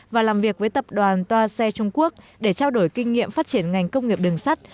và làm việc với tập đoàn toa xe trung quốc để trao đổi kinh nghiệm phát triển ngành công nghiệp đường sắt